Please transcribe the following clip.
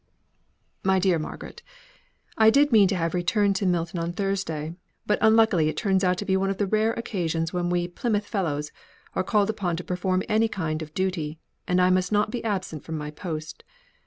"MY DEAR MARGARET: I did mean to have returned to Milton on Thursday, but unluckily it turns out to be one of the rare occasions when we, Plymouth Fellows, are called upon to perform any kind of duty, and I must not be absent from my post.